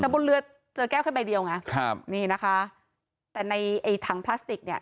แต่บนเรือเจอแก้วแค่ใบเดียวไงครับนี่นะคะแต่ในไอ้ถังพลาสติกเนี่ย